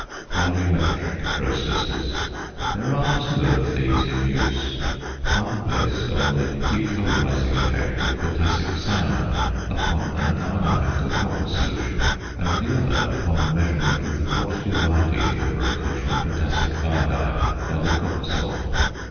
VOLUMETRIC PROCESSES. There are two of these in use, one based on the decolorising effect of potassic cyanide upon an ammoniacal copper solution, and the other upon the measurement of the quantity of iodine liberated from potassic iodide by the copper salt.